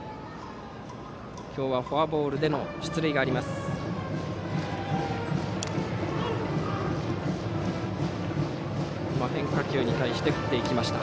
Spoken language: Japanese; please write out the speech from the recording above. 今日はフォアボールでの出塁があります。